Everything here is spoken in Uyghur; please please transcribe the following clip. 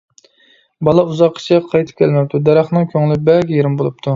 بالا ئۇزاققىچە قايتىپ كەلمەپتۇ. دەرەخنىڭ كۆڭلى بەك يېرىم بولۇپتۇ.